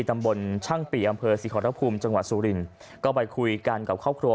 ตำบลช่างปีอำเภอศรีขอรภูมิจังหวัดสุรินก็ไปคุยกันกับครอบครัว